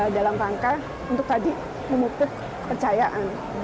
dalam rangka untuk tadi memutus percayaan